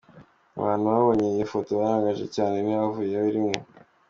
Abantu babonye iyo foto baratangaye cyane ntibayivugaho rumwe.